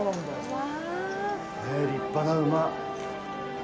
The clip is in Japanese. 立派な馬。